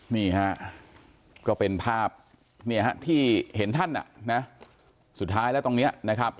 นี่ฮะก็เป็นภาพที่เห็นท่านสุดท้ายแล้วตรงนี้นะครับ